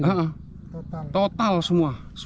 iya total semua